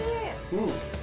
うん。